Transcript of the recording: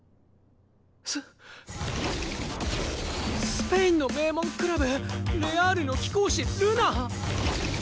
ススペインの名門クラブレ・アールの貴公子ルナ！